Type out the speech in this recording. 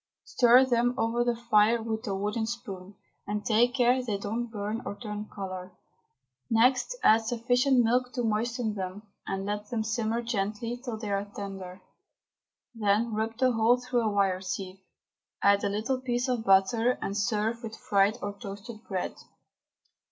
Stir them over the fire with a wooden spoon, and take care they don't burn or turn colour. Next add sufficient milk to moisten them, and let them simmer gently till they are tender; then rub the whole through a wire sieve, add a little piece of butter, and serve with fried or toasted bread.